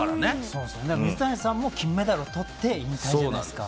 水谷さんも金メダルをとって引退じゃないですか。